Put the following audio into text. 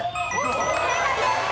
正解です！